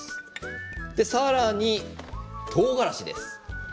さらに、とうがらしです。